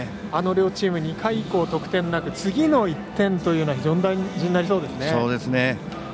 あの両チーム２回以降、得点がなく次の１点というのが非常に大事になりそうですね。